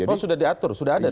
ini sudah diatur sudah ada